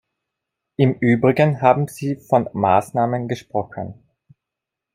Im Übrigen haben Sie von Maßnahmen gesprochen.